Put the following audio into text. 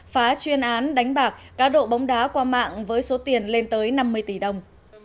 phá chuyên án đánh bạc cá độ bóng đá qua mạng với số tiền lên tới năm mươi tỷ đồng